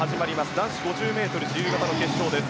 男子５０ｍ自由形の決勝です。